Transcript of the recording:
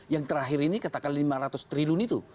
yang terakhir ini katakan lima ratus triliun itu